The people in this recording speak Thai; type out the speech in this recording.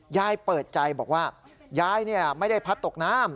ยายเปิดใจบอกว่ายายไม่ได้พัดตกน้ำ